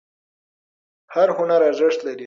هر هنر ارزښت لري.